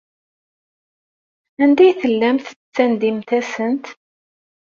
Anda ay tellamt tettandimt-asent?